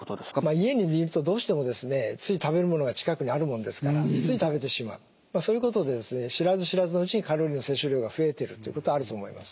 家にいるとどうしてもですねつい食べるものが近くにあるもんですからつい食べてしまうそういうことで知らず知らずのうちにカロリーの摂取量が増えてるってことはあると思います。